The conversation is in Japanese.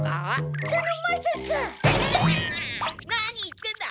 何言ってんだ！